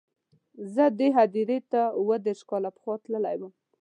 زه دې هدیرې ته اووه دېرش کاله پخوا تللی وم.